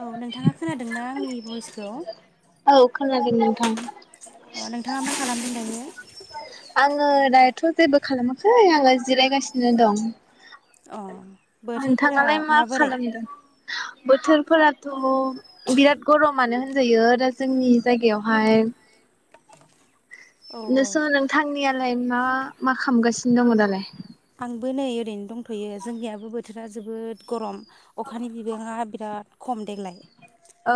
औ नोंथाङा खोनादोंना आंनि भइसखौ औ खोनादों नोंथां अ नोंथाङा मा खालामदों दायो? [unintelligible] थ' जेबो खालामाखै आलाय। जिरायगासिनो दं। अह। नोंथाङालाय मा खालामदों? बोथोरफोराथ' बिराद गरमानो होनजायो दा जोंनि जायगायावहाय। औ औ नोंसो नोंथांनियालाय मा मा खालामगासिनो दङ दालाय? आंबो नै ओरैनो दंथ'यो जोंनियाबो बोथोरा जोबोद गरम अखानि बिबाङा बिराद खम देग्लाय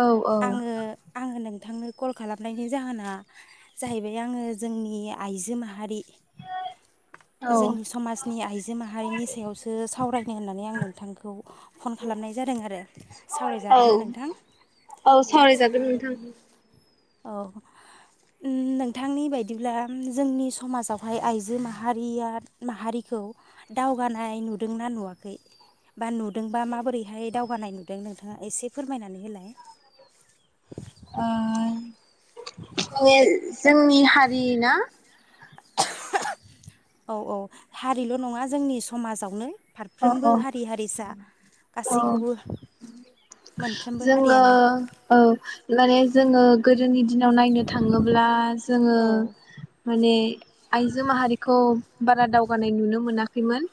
औ औ आङो आङो नों नोंथांनो कल खालामनायनि जाहोना जाहैबाय आङो जोंनि आइजो माहारि औ जोंनि समाज आइजो माहारिनि सायावसो सावरायनो होननानै आं नोंथांखौ फन खालामनाय जादों आरो औ सावरायजागोन ना नोंथां औ सावरायजागोन नोंथां। औ उम नोंथांनि बायदिब्ला उम जोंनि समाजावहाय आइजो माहारिया माहारिखौ दावगानाय नुदोंना नुवाखै बा नुदोंबा माबोरैहाय दावगानाय नुदों नोंथाङा एसे फोरमायनानै होलाय ओ औ जोंनि नि हारि ना [unintelligible] औ औ हारिल' नङा जोंनि समाजावनो औ फारफ्रोमबो औ हारि हारिसा औ गासैखौबो मोनफ्रोमबो जोङो हारियानो औ माने जोङो गोदोनि दिनाव नायनो थाङोब्ला जोङो औ माने आइजो माहारिखौ बारा दावगानाय नुनो मोना खैमोन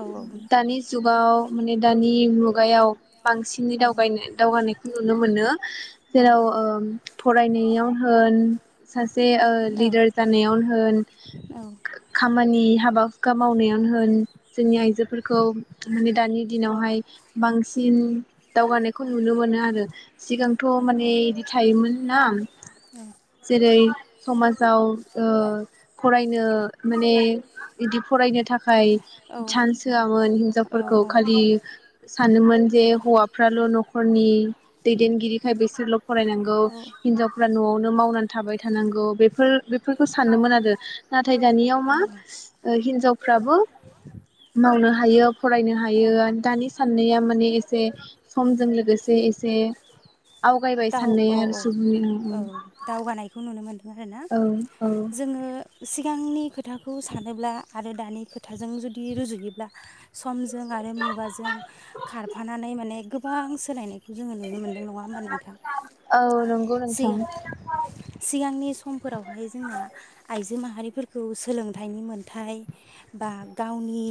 औ दानि जुगाव माने दानि मुगायाव बांसिनै औ दावगायनो दावगानायखौ नुनो मोन मोनो औ जेराव ओ फरायनायाव होन सासे औ लिदार जानायावनो होन औ औ खामानि हाबा हुखा मावनायावनो होन जोंनि आइ फोरखौ माने दानि दिनावहाय बांसि सिन दावगानायखौ नुनो मोनो आरो सिगांथ' माने बिदि थायोमोन ना जेरै समाजाव ओ फरायनो माने इदि फरायनो थाखा खाय सान्स होआमोन हिनजावफोरखौ खालि सानोमोन जे हौवाफ्राल' न'खरनि दैदेनगिरिखाय बिसोरल' फरायनांगौ हिनजावफ्रा न'आवनो मावनानै थाबाय थानांगौ बेफोर बेफोरखौ सानदोंमोन आरो नाथाय दानियाव मा औ ओ हिनजाव फ्राबो [inaudible] मावनो हायो फरायनो औ हायो दानि साननाया माने एसे समजों लोगोसे एसे आवगायबाय दाव औ साननाया औ बिसोरनियाव औ दावगानायखौ नुनो मोनदों आरोना औ औ औ जोङो सिगांनि खोथाखौ सानोब्ला आरो दानि खोथाजों जुदि रुजुयोब्ला समजों आरो मुगाजों खारफानानै माने गोबां सोलायनाय जोङो नुनो मोन नङा होमबा नोंथां औ नंगौ नोंथां। सिगां सिगांनि समफोरावहाय जोंना आइजो माहारिफोरखौ सोलोंथाइनि मोनथाय बा गावनि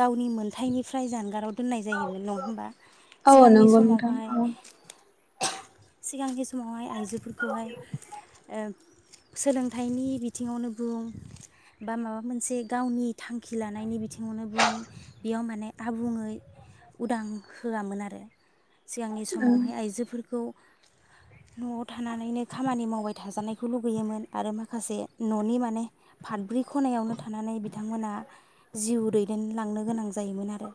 गावनि मोनथायाइनिफ्राय जानगाराव दोननाय जायोमोन नङा होमबा औ सिगांनि नंगौ नोंथां समावहाय औ सिगांनि समावहाय आइजोफोरखौहाय ओ सोलोंथाइनि बिथिङावनो बुं बा माबा मोनसे गावनि थांखि लानायनि बिथिङावनो बुं बेयाव माने आबुङै उदां होआमोन आरो सिगांनि समावहाय आइजोफोर खौ न'आव थानानैनो खामानि मावबाय थाजानायखौ लुगैयोमोन आरो माखासे न'नि माने फाथब्रै खनायावनो थानानै बिथांमोनहा जिउ दैदेनलांनो गोनां जायोमोन आरो।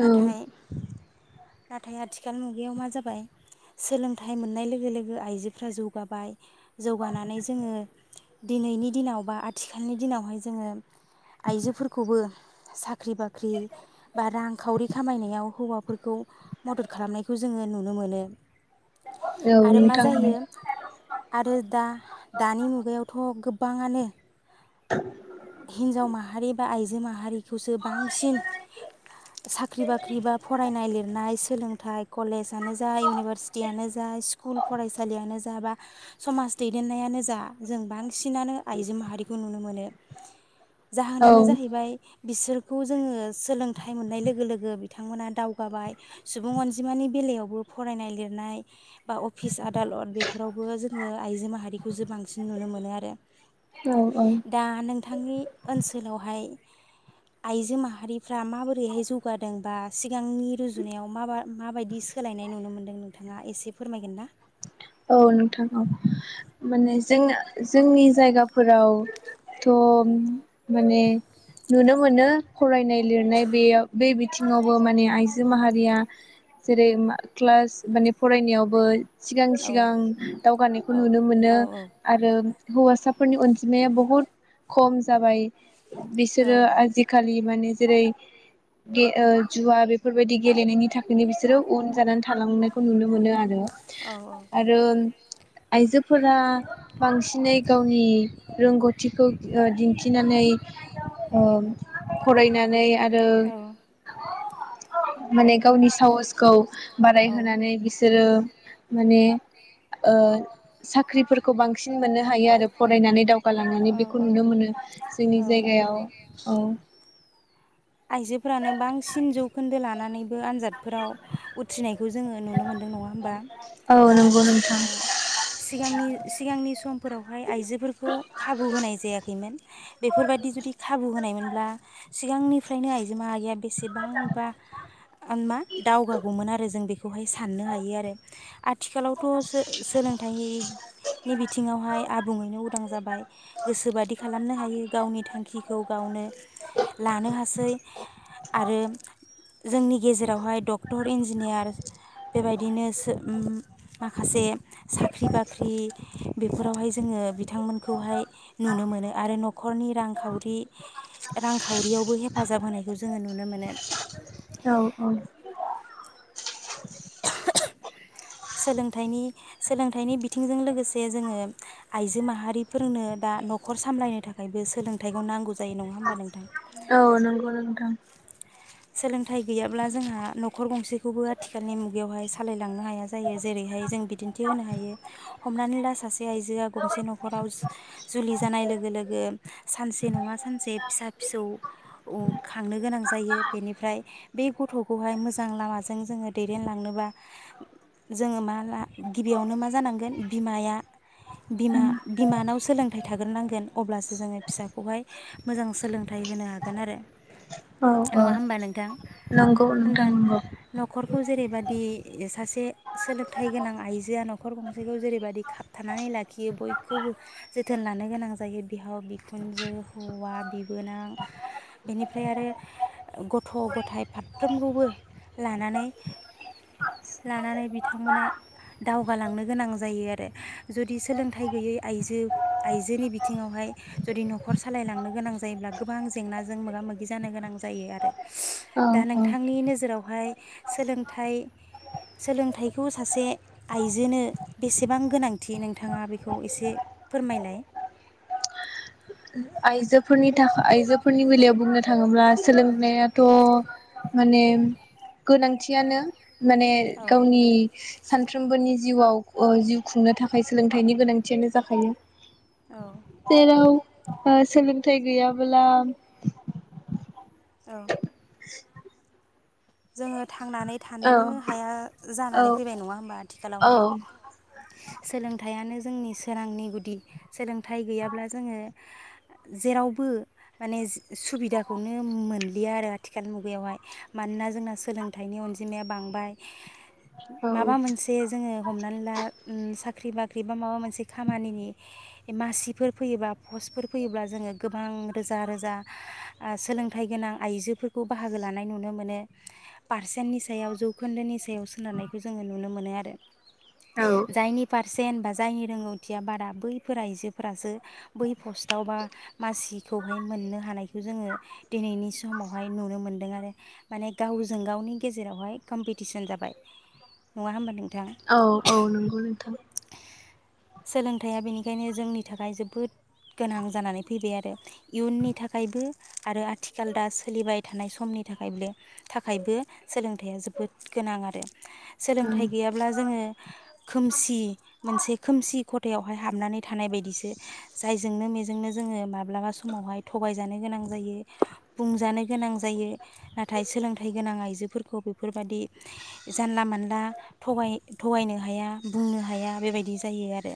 औ नाथाय आथिखाल मुगायाव मा जाबाय सोलोंथाइ मोननाय लोगो लोगो आइजोफ्रा जौगाबाय जौगानानै जोङो दिनैनि दिनाव बा आथिखालनि दिनावहाय जोङो आइजोफोरखौबो साख्रि बाख्रि बा रांखावरि खामायनायाव हौवाफोरखौ मदद खालामनायखौ जोङो नुनो मोनो। औ आरो मा नोंथां जायो आरो दा-दानि मुगायावथ' गो बाङानो हिनजाव माहारि बा आइजो माहारिखौसो बांसिन साख्रि बाख्रि बा फरायनाय लिरनाय सोलोंथाइ कलेजानो जा इउनिभारसिटि यानो जा स्कुल फरायसालियानो जा बा समाज दैदेननायानो जा जों बां सिनानो आइजो माहारिखौ नुनो मोनो। औ जाहोनानो जाहैबाय बिसोरखौ जोङो सोलोंथाइ मोननाय लोगो लोगो बिथांमोना दावगाबाय सुबुं अनजिमानि बेलायावबो फरायनाय लिर नाय बा अफिस दालत बेफोरावबो जोङो आइजो माहारिखौ जो बांसिन नुनो मोनो आरो औ औ दा नोंथांनि ओनसोलावहाय आइजो माहारि फ्रा माबोरैहाय जौगादों बा सिगांनि रुजुनायाव माब माबायदि सोलायनाय नुनो मोन्दों नों ङा एसे फोरमायगोन ना? औ नोंथां औ माने जों जोंनि जायगाफोरावथ' माने नुनो मोनो फरायनाय लिरनाय बेयाव बे बिथिङावबो माने आइजो माहारिया जेरै क्लास माने फरायनायावबो सिगां औ सिगां दावगानायखौ औ नुनो मोनो औ आरो हौवासाफोरनि अनजिमाया बहुत खम जाबाय। औ बिसोरो आजिखालि माने जेरै दे जुवा बेफोरबायदि गेलेनायनि थाखायनो बिसोरो उन जानानै थालांनायखौ नुनो मोनो आरो। औ औ। [inaudible] आइजो फोरा बांसिनै गावनि रोंगौथिखौ दिन्थिना नै ओ फरायनानै आरो [inaudible] माने गावनि साहसखौ बारायहोनानै बिसोरो माने ओ ओ साख्रिफोरखौ बांसिन मोननो हायो आरो। फरायनानै दावगालांनानै औ बेखौ औ नुनो औ मोनो जोंनि औ जायगायाव। औ आइजोफोरानो बांसिन जौखोन्दो लानानै आनजादफोराव उथ्रिनायखौ जोङो नुनो मोनदों नङा होमबा। औ नंगौ नोंथां सिगांनि सिगांनि सम फोरावहाय आइजोफोरखौ खाबु होनाय जायाखैमोन। बेफोरबायादि जुदि खाबु होनायमोनब्ला सिगांनि फ्रायनो आइजो माहारिया बेसेबांबा मा दावगागौमोन आरो जों बेखौहाय साननो हायो आरो। आथिखालावथ' सो सोलोंथाइ नि बिथिङावहाय आबुङैनो उदां जाबाय। गोसोबादि खालामनो हायो गावनि थांखिखौ गावनो लानो हा सै आरो जोंनि गेजेरावहाय डक्टर इन्जिनियार बेबायदिनो सो माखासे साख्रि बाख्रि बेफोरावहाय जोङो बिथांमोनखौहाय नुनो मोनो। आरो न'खरनि रांखावरि रांखावरियावबो हेफा हेफाजाब होनायखौ जोङो नुनो मोनो। औ औ। सोलोंथाइनि सोलोंथाइनि बिथिंजों लोगोसे जोङो आइजो माहारिफोरनो दा न'खर सामलायनो थाखायबो सोलोंथाइखौ नांगौ जायो नङा होमबा नोंथां। औ नंगौ नोंथां। सोलोंथाइ गैयाब्ला जोंहा न'खर गंसेखौबो आथिखालनि मुगायावहाय सालायलांनो हाया जायो। जेरैहाय जों बिदिन्थि होनो हायो हमनानै ला सासे आइजोआ गंसे न'खराव जुलि जानाय लोगो लोगो सानसे नङा सानसे फिसा फिसौ खांनो गोनां जायो। बेनिफ्राय बे गथ'खौहाय मोजां लामाजों जोङो दैदेनलांनोबा जोङो मा गिबियावनो मा जानांगोन बिमाया बिमा बिमानाव सोलोंथाइ थाग्रोनांगोन अब्लासो जोङो फिसाखौहाय मोजां सोलोंथाइ होनो हागोन आरो। औ औ नङा होमबा नोंथां नंगौ होमबा नोंथां नंगौ। न'खरखौ जेरैबदि सासे सोलोंथाइ गोनां आइजोआ न'खर गंसेखौ जेरैबादि खाबथानानै लाखियो। बयखौबो जोथोन लानो गोनां जायो। बिहाव बिखुनजो हौवा बिबोनां बेनिफ्राय आरो गथ' गथाइ फारफ्रोमखौबो लानानै लानानै बिथांमोना दावगालांनो गोनां जायो आरो जुदि सोलोंथाइ गैयै आइजो आइजोनि बिथिङावहाय जुदि न'खर सालायलांनो गोनां जायोब्ला गोबां जेंनाजों मोगा मोगि जानो गोनां जायो आरो। दा औ औ नोंथांनि नोजोरावहाय सोलोंथाइ सोलोंथाइखौ सासे आइजोनो बेसेबां गोनांथि नोंथाङा बेखौ एसे फोरमायलाय। आइजोफोरनि थाखाय आइजोफोरनि बेलायाव बुंनो थाङोब्ला सोलोंनायाथ' माने गोनांथियानो माने औ गावनि सानफ्रोमबोनि जिउआव ओ जिउ खुंनो थाखाय सोलोंथाइनि गोनांथियानो जाखायो। औ जेराव ओ सोलोंथाइ गैयाबोला औ। जोङो थांनानै औ थानोनो हाया औ जानानै फैबाय नङा होनबा औ आथिखालावहाय सोलों सोलोंथाइनो जोंनि सोरांनि गुदि सोलोंथाइ गैयाब्ला जोङो जेरावबो माने सुबिदाखौनो मोनलिया आरो आथिखाल मुगायावहाय मानोना ज जोंना सोलोंथाइनि अनजिमाया बांबाय, माबा औ मोनसे जोङो हमनानै ला ओ साख्रि बाख्रि बा माबा मोनसे खामानिनि मासिफोर फैयोबा पस्टफोर फैयोब्ला जोङो गोबां रोजा रोजा, आ सोलोंथाइ गोनां आइजोफोरखौ बाहागो लानाय नुनो मोनो। पारसेन्टनि सायाव जौखोन्दोनि सायाव सोनारनायखौ जोङो नुनो मोनो आरो। औ जायनि पारसेन्ट बा जायनि रोंगौथिया बारा बैफोर आइजोफोरासो बै पस्टआव बा मासिखौहाय मोननो हानायखौ जोङो दिनैनि समावहाय नुनो मोनदों आरो। माने गावजों गावनि गेजेरावहाय कम्पिटिसन जाबाय, नङा होमबा? नों औ औ नंगौ नोंथां सोलोंथायाइया बेनिखायनो जोंनि थाखाय जोबोद गोनां जानानै फैबाय आरो। इयुननि थाखायबो आरो आथिखाल दा सोलिबाय थानाय समनि थाखायबो। थाखायबो सोलोंथाइया जोबोद गोनां आरो। औ सोलोंथाइ गैयाब्ला जोङो खोमसि मोनसे खोमसि खथायावहाय हाबनानै थानाय बायदिसो। जायजोंनो मेजोंनो जोङो माब्लाबा समावहाय थगायजानो गोनां जायो बुंजानो गोनां जायो ना नाथाय सोलोंथाइ गोनां आइजोफोरखौ बेफोरबायाददि जानला मानला थगाय थगायनो हाया बुंनो हाया बेबायदि जायो आरो।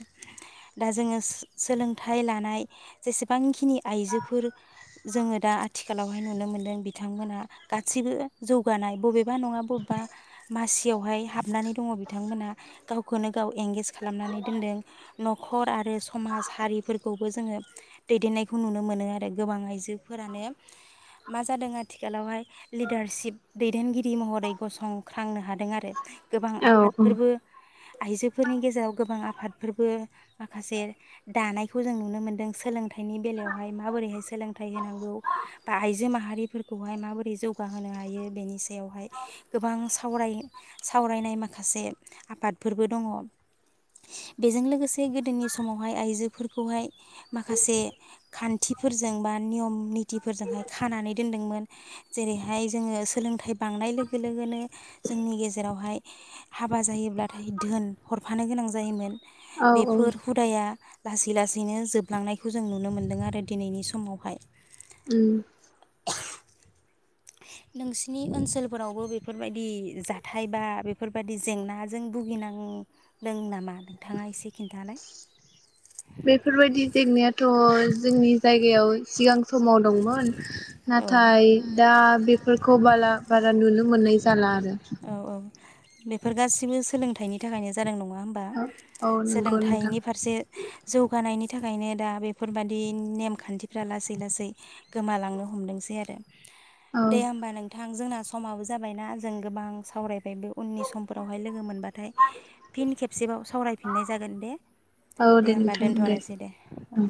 दा जोङो सोलोंथाइ लानाय जेसेबांखिनि आइजोफोर जोङो दा आथिखालावहाय नुनो मोनदों, बिथांमोना गासैबो जौगानाय बबेबा नङा बबेबा मासियावहाय हाबनानै दङ बिथांमोनहा। गावखौनो गाव एंगेज खालामनानै दोनदों नखर आरो समाज हारिफोरखौबो जोङो दैदेननायखौ नुनो मोनो आरो गोबां आइजोफोरानो मा जादों आथिखालावहाय लिडारशिप दैदेनगिरि महरै गसंख्रांनो हादों। आरो गोबां औ आफादफोरबो आइजोफोरनि गेजेराव गोबां आफादफोरबो, माखासे दानायखौ जों नुनो मोनदों सोलोंथाइनि बेलायावहाय माबोरैहाय सोलोंथाइ होनांगौ, बा आइजो माहारिफोरखौहाय माबोरै जौग जौगा होनो हायो बेनि सायावहाय गोबां सावराय सावरायनाय माखासे आफादफोरबो दङ। बेजों लोगोसे गोदोनि समावहाय आइजोफोरखौहाय माखासे खान्थिफोरजों बा नियम नितिफोरजोंहाय खानानै दोनदोंमोन। जेरैहाय जोङो सोलोंथाइ बांनाय लोगो लोगोनो, जोंनि गेजेरावहाय हाबा जायोब्ला नाथाय, धोन हरफानो गोनां जायोमोन औ औ बेफोर हुदाया लासै लासैनो जोबलांनायखौ जों नुनो मोन्दों आरो दिनैनि समावहाय। उ नों सिनि ओनसोलफोरावबो बेफोरबायदि जाथाय बा बेफोरबायदि जेंनाजों भुगिनांदों नामा? नोंथाङा एसे खिन्थालाय। बेफोर बायदि जेंनायाथ जोंनि जायगायाव सिगां समाव दंमोन। नाथाय दा बेफोरखौ बाला बारा नुनो मोननाय जाला आरो। औ औ बेफोर गासिबो सोलोंथाइनि थाखायनो जादों नङा नङा होनबा? औ नंगौ नोंथां सोलोंथाइनि फारसे जौगानायनि थाखाय थाखायनो दा बेफोरबायादि नेम खान्थिफ्रा लासै लासै गोमालांनो हमदोंसै आरो। औ दे होमबा नोंथां। ओ जोंना समाबो जाबायना जों गोबां सावरायबाय। ओमफ्राय बे उननि समफोरावहाय लोगो मोनबाथाय फिन खेबसेबाव सावरायफिननाय जागोन दे दे होमबा दोनथनोसै दे। औ